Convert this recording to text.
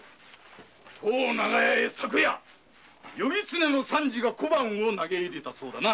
当長屋へ昨夜「夜狐の三次」が小判を投げ入れたそうだな！